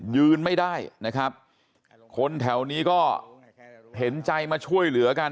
ยืนไม่ได้นะครับคนแถวนี้ก็เห็นใจมาช่วยเหลือกัน